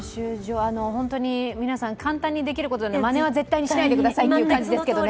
皆さん、簡単にできることではないので、まねは絶対にしないでくださいという感じですけどね。